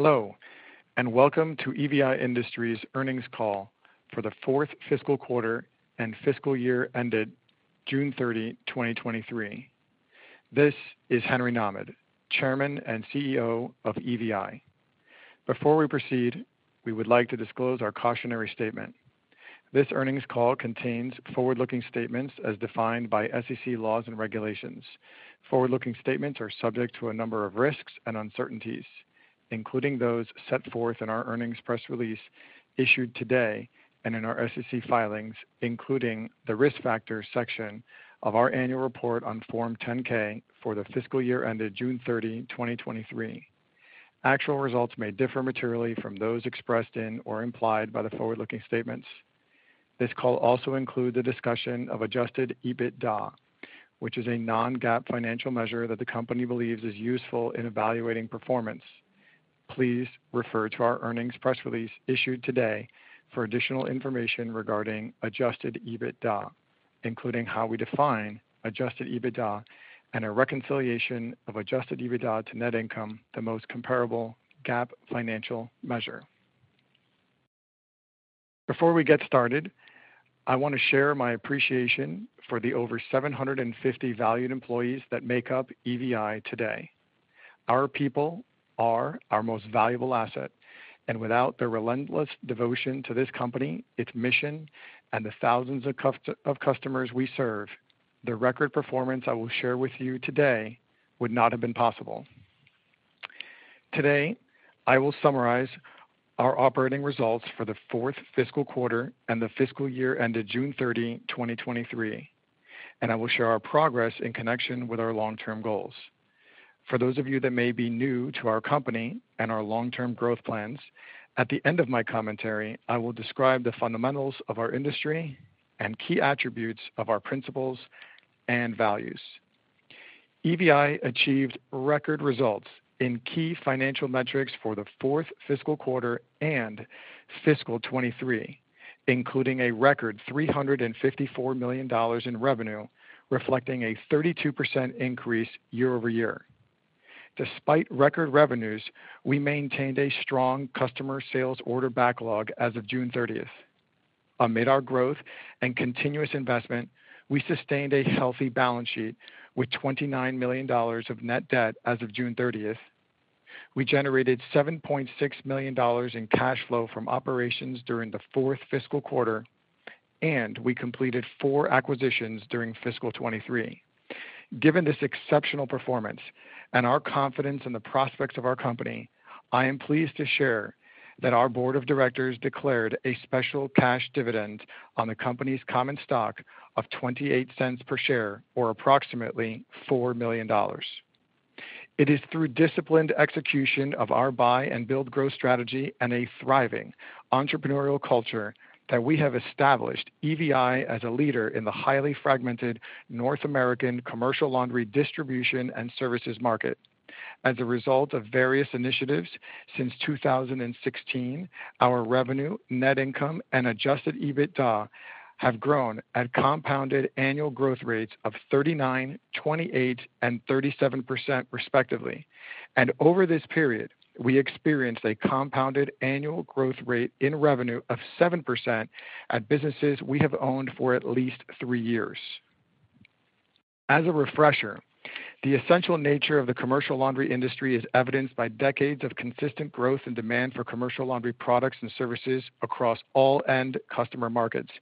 Hello, and welcome to EVI Industries Earnings Call for the fourth fiscal quarter and fiscal year ended June 30, 2023. This is Henry M. Nahmad, Chairman and CEO of EVI. Before we proceed, we would like to disclose our cautionary statement. This earnings call contains forward-looking statements as defined by SEC laws and regulations. Forward-looking statements are subject to a number of risks and uncertainties, including those set forth in our earnings press release issued today and in our SEC filings, including the Risk Factors section of our annual report on Form 10-K for the fiscal year ended June 30, 2023. Actual results may differ materially from those expressed in or implied by the forward-looking statements. This call also includes a discussion of Adjusted EBITDA, which is a non-GAAP financial measure that the company believes is useful in evaluating performance. Please refer to our earnings press release issued today for additional information regarding Adjusted EBITDA, including how we define Adjusted EBITDA and a reconciliation of Adjusted EBITDA to net income, the most comparable GAAP financial measure. Before we get started, I want to share my appreciation for the over 750 valued employees that make up EVI today. Our people are our most valuable asset, and without their relentless devotion to this company, its mission, and the thousands of customers we serve, the record performance I will share with you today would not have been possible. Today, I will summarize our operating results for the fourth fiscal quarter and the fiscal year ended June 30, 2023, and I will share our progress in connection with our long-term goals. For those of you that may be new to our company and our long-term growth plans, at the end of my commentary, I will describe the fundamentals of our industry and key attributes of our principles and values. EVI achieved record results in key financial metrics for the fourth fiscal quarter and fiscal 2023, including a record $354 million in revenue, reflecting a 32% increase year-over-year. Despite record revenues, we maintained a strong customer sales order backlog as of June 30. Amid our growth and continuous investment, we sustained a healthy balance sheet with $29 million of net debt as of June 30. We generated $7.6 million in cash flow from operations during the fourth fiscal quarter, and we completed 4 acquisitions during fiscal 2023. Given this exceptional performance and our confidence in the prospects of our company, I am pleased to share that our board of directors declared a special cash dividend on the company's common stock of $0.28 per share, or approximately $4 million. It is through disciplined execution of our buy and build growth strategy and a thriving entrepreneurial culture, that we have established EVI as a leader in the highly fragmented North American commercial laundry distribution and services market. As a result of various initiatives since 2016, our revenue, net income, and Adjusted EBITDA have grown at compounded annual growth rates of 39%, 28%, and 37%, respectively. Over this period, we experienced a compounded annual growth rate in revenue of 7% at businesses we have owned for at least three years. As a refresher, the essential nature of the commercial laundry industry is evidenced by decades of consistent growth and demand for commercial laundry products and services across all end customer markets,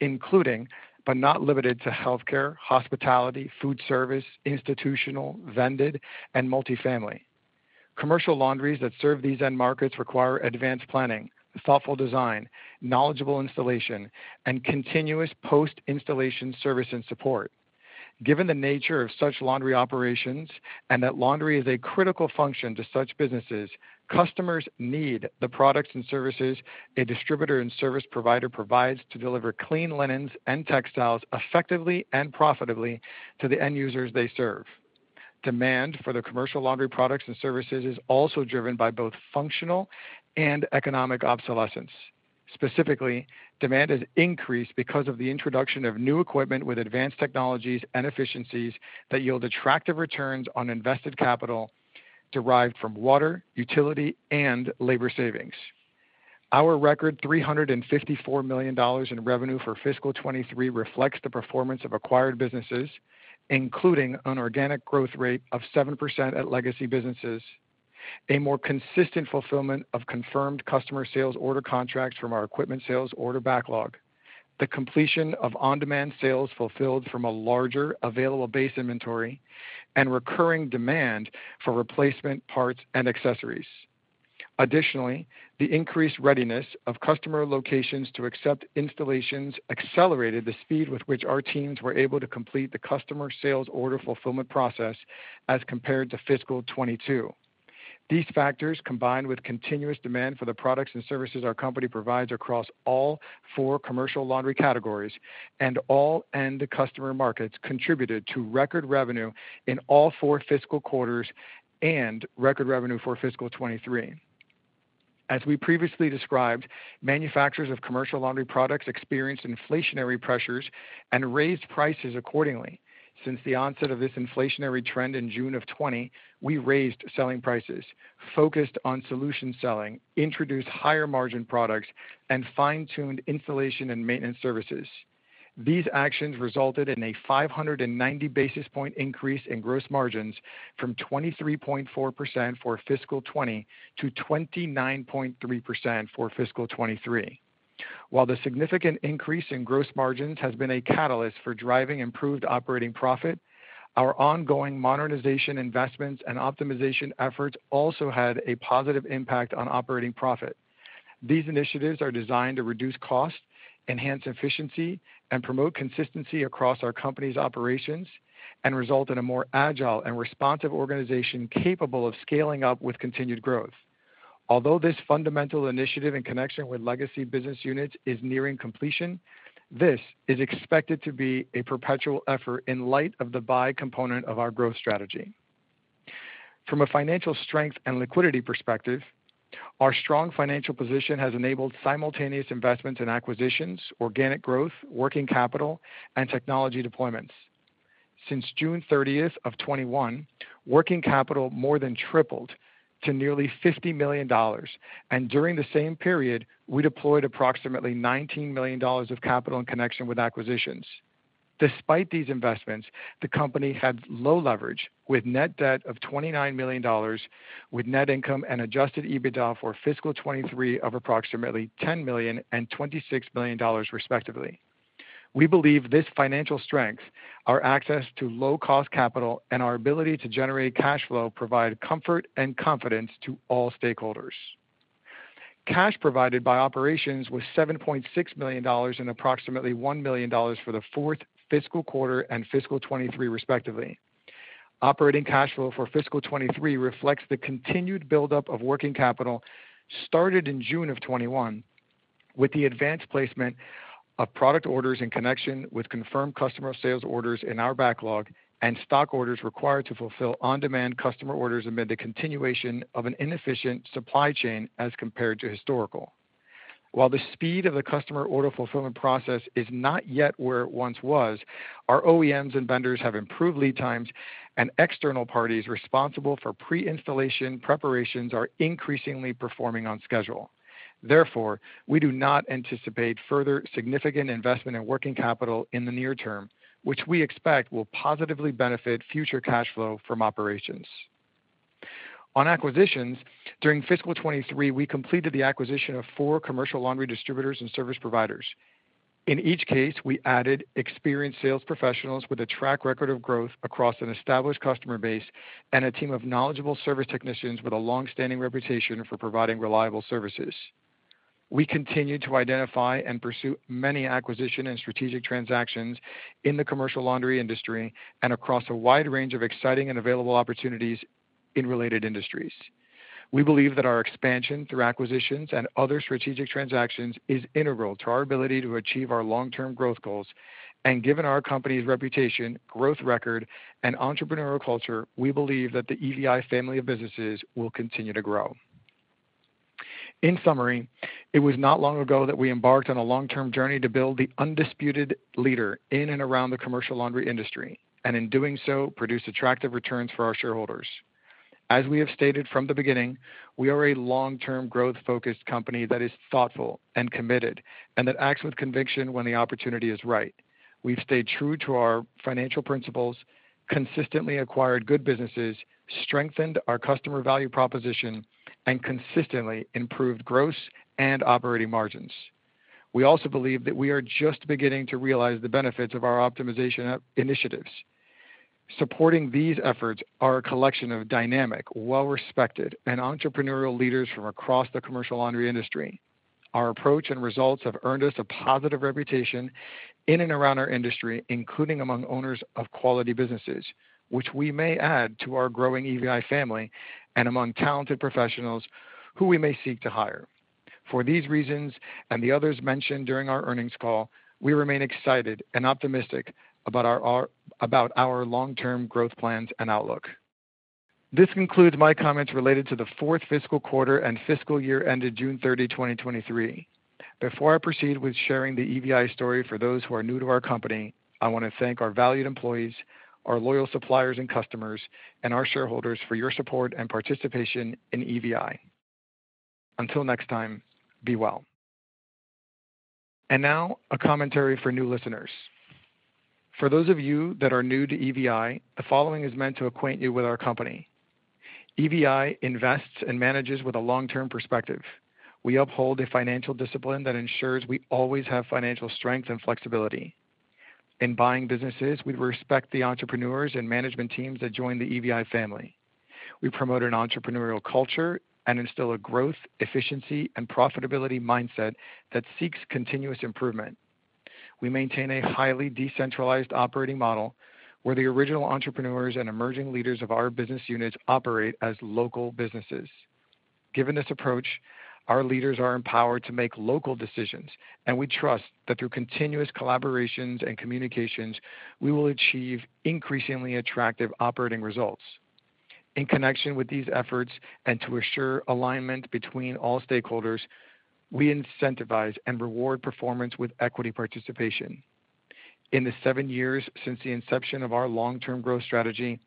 including, but not limited to healthcare, hospitality, food service, institutional, vended, and multifamily. Commercial laundries that serve these end markets require advanced planning, thoughtful design, knowledgeable installation, and continuous post-installation service and support. Given the nature of such laundry operations and that laundry is a critical function to such businesses, customers need the products and services a distributor and service provider provides to deliver clean linens and textiles effectively and profitably to the end users they serve. Demand for the commercial laundry products and services is also driven by both functional and economic obsolescence. Specifically, demand has increased because of the introduction of new equipment with advanced technologies and efficiencies that yield attractive returns on invested capital derived from water, utility, and labor savings. Our record $354 million in revenue for fiscal 2023 reflects the performance of acquired businesses, including an organic growth rate of 7% at legacy businesses, a more consistent fulfillment of confirmed customer sales order contracts from our equipment sales order backlog, the completion of on-demand sales fulfilled from a larger available base inventory, and recurring demand for replacement parts and accessories. Additionally, the increased readiness of customer locations to accept installations accelerated the speed with which our teams were able to complete the customer sales order fulfillment process as compared to fiscal 2022. These factors, combined with continuous demand for the products and services our company provides across all four commercial laundry categories and all end customer markets, contributed to record revenue in all four fiscal quarters and record revenue for fiscal 2023.. As we previously described, manufacturers of commercial laundry products experienced inflationary pressures and raised prices accordingly. Since the onset of this inflationary trend in June of 2020, we raised selling prices, focused on solution selling, introduced higher margin products, and fine-tuned installation and maintenance services. These actions resulted in a 590 basis point increase in gross margins from 23.4% for fiscal 2020 to 29.3% for fiscal 2023. While the significant increase in gross margins has been a catalyst for driving improved operating profit, our ongoing modernization investments and optimization efforts also had a positive impact on operating profit. These initiatives are designed to reduce costs, enhance efficiency, and promote consistency across our company's operations, and result in a more agile and responsive organization capable of scaling up with continued growth. Although this fundamental initiative in connection with legacy business units is nearing completion, this is expected to be a perpetual effort in light of the buy component of our growth strategy. From a financial strength and liquidity perspective, our strong financial position has enabled simultaneous investments in acquisitions, organic growth, working capital, and technology deployments. Since June 30, 2021, working capital more than tripled to nearly $50 million, and during the same period, we deployed approximately $19 million of capital in connection with acquisitions. Despite these investments, the company had low leverage, with net debt of $29 million, with net income and Adjusted EBITDA for fiscal 2023 of approximately $10 million and $26 million, respectively. We believe this financial strength, our access to low-cost capital, and our ability to generate cash flow provide comfort and confidence to all stakeholders. Cash provided by operations was $7.6 million and approximately $1 million for the fourth fiscal quarter and fiscal 2023, respectively. Operating cash flow for fiscal 2023 reflects the continued buildup of working capital, started in June of 2021, with the advanced placement of product orders in connection with confirmed customer sales orders in our backlog and stock orders required to fulfill on-demand customer orders amid the continuation of an inefficient supply chain as compared to historical. While the speed of the customer order fulfillment process is not yet where it once was, our OEMs and vendors have improved lead times, and external parties responsible for pre-installation preparations are increasingly performing on schedule. Therefore, we do not anticipate further significant investment in working capital in the near term, which we expect will positively benefit future cash flow from operations. On acquisitions, during fiscal 2023, we completed the acquisition of four commercial laundry distributors and service providers. In each case, we added experienced sales professionals with a track record of growth across an established customer base and a team of knowledgeable service technicians with a long-standing reputation for providing reliable services. We continue to identify and pursue many acquisition and strategic transactions in the commercial laundry industry and across a wide range of exciting and available opportunities in related industries. We believe that our expansion through acquisitions and other strategic transactions is integral to our ability to achieve our long-term growth goals, and given our company's reputation, growth record, and entrepreneurial culture, we believe that the EVI family of businesses will continue to grow. In summary, it was not long ago that we embarked on a long-term journey to build the undisputed leader in and around the commercial laundry industry, and in doing so, produce attractive returns for our shareholders. As we have stated from the beginning, we are a long-term, growth-focused company that is thoughtful and committed, and that acts with conviction when the opportunity is right. We've stayed true to our financial principles, consistently acquired good businesses, strengthened our customer value proposition, and consistently improved gross and operating margins. We also believe that we are just beginning to realize the benefits of our optimization initiatives. Supporting these efforts are a collection of dynamic, well-respected, and entrepreneurial leaders from across the commercial laundry industry. Our approach and results have earned us a positive reputation in and around our industry, including among owners of quality businesses, which we may add to our growing EVI family, and among talented professionals who we may seek to hire. For these reasons, and the others mentioned during our earnings call, we remain excited and optimistic about our long-term growth plans and outlook. This concludes my comments related to the fourth fiscal quarter and fiscal year ended June 30, 2023. Before I proceed with sharing the EVI story for those who are new to our company, I want to thank our valued employees, our loyal suppliers and customers, and our shareholders for your support and participation in EVI. Until next time, be well. Now a commentary for new listeners. For those of you that are new to EVI, the following is meant to acquaint you with our company. EVI invests and manages with a long-term perspective. We uphold a financial discipline that ensures we always have financial strength and flexibility. In buying businesses, we respect the entrepreneurs and management teams that join the EVI family. We promote an entrepreneurial culture and instill a growth, efficiency, and profitability mindset that seeks continuous improvement. We maintain a highly decentralized operating model, where the original entrepreneurs and emerging leaders of our business units operate as local businesses. Given this approach, our leaders are empowered to make local decisions, and we trust that through continuous collaborations and communications, we will achieve increasingly attractive operating results. In connection with these efforts and to assure alignment between all stakeholders, we incentivize and reward performance with equity participation. In the seven years since the inception of our long-term growth strategy,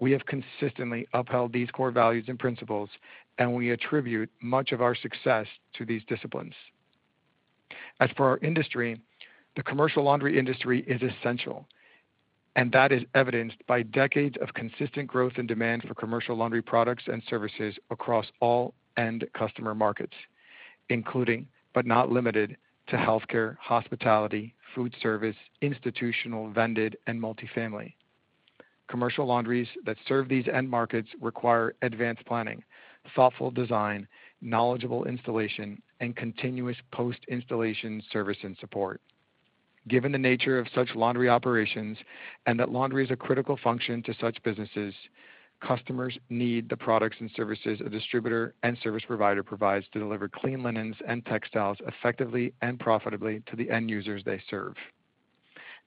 we have consistently upheld these core values and principles, and we attribute much of our success to these disciplines. As for our industry, the commercial laundry industry is essential, and that is evidenced by decades of consistent growth and demand for commercial laundry products and services across all end customer markets, including, but not limited to healthcare, hospitality, food service, institutional, vended, and multifamily. Commercial laundries that serve these end markets require advanced planning, thoughtful design, knowledgeable installation, and continuous post-installation service and support. Given the nature of such laundry operations, and that laundry is a critical function to such businesses, customers need the products and services a distributor and service provider provides to deliver clean linens and textiles effectively and profitably to the end users they serve.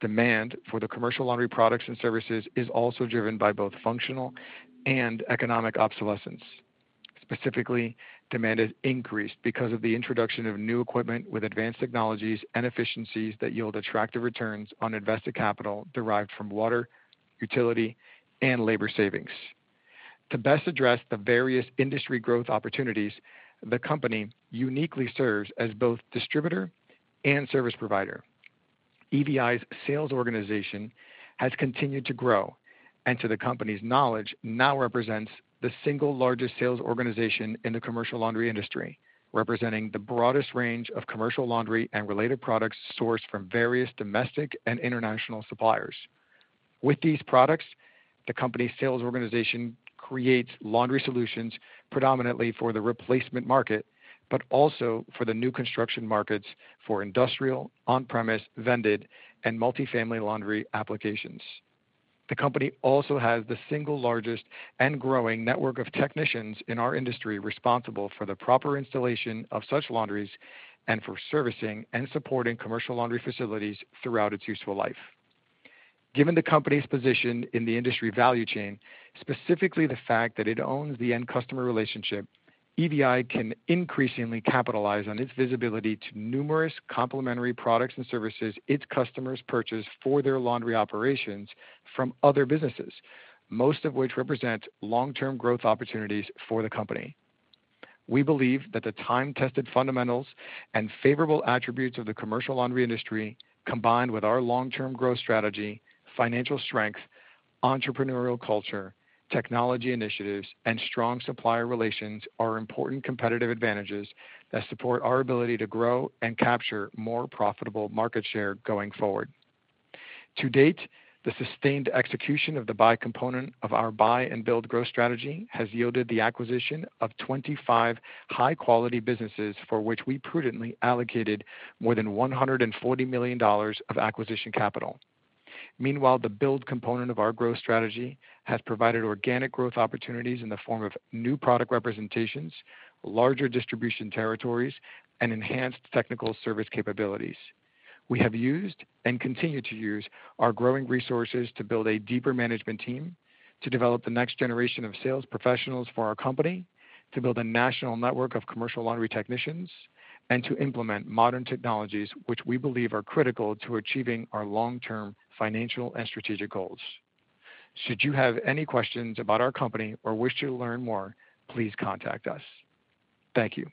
Demand for the commercial laundry products and services is also driven by both functional and economic obsolescence. Specifically, demand has increased because of the introduction of new equipment with advanced technologies and efficiencies that yield attractive returns on invested capital derived from water, utility, and labor savings. To best address the various industry growth opportunities, the company uniquely serves as both distributor and service provider. EVI's sales organization has continued to grow, and to the company's knowledge, now represents the single largest sales organization in the commercial laundry industry, representing the broadest range of commercial laundry and related products sourced from various domestic and international suppliers. With these products, the company's sales organization creates laundry solutions predominantly for the replacement market, but also for the new construction markets for industrial, on-premise, vended, and multifamily laundry applications. The company also has the single largest and growing network of technicians in our industry, responsible for the proper installation of such laundries and for servicing and supporting commercial laundry facilities throughout its useful life. Given the company's position in the industry value chain, specifically the fact that it owns the end customer relationship, EVI can increasingly capitalize on its visibility to numerous complementary products and services its customers purchase for their laundry operations from other businesses, most of which represent long-term growth opportunities for the company. We believe that the time-tested fundamentals and favorable attributes of the commercial laundry industry, combined with our long-term growth strategy, financial strength, entrepreneurial culture, technology initiatives, and strong supplier relations, are important competitive advantages that support our ability to grow and capture more profitable market share going forward. To date, the sustained execution of the buy component of our buy and build growth strategy has yielded the acquisition of 25 high-quality businesses, for which we prudently allocated more than $140 million of acquisition capital. Meanwhile, the build component of our growth strategy has provided organic growth opportunities in the form of new product representations, larger distribution territories, and enhanced technical service capabilities. We have used and continue to use our growing resources to build a deeper management team, to develop the next generation of sales professionals for our company, to build a national network of commercial laundry technicians, and to implement modern technologies, which we believe are critical to achieving our long-term financial and strategic goals. Should you have any questions about our company or wish to learn more, please contact us. Thank you.